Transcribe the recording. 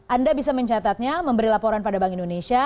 anda bisa mencatatnya memberi laporan pada bank indonesia